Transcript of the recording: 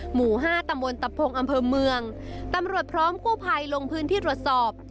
หมู่ห้าตำบลตะพงอำเภอเมืองตำรวจพร้อมกู้ภัยลงพื้นที่ตรวจสอบ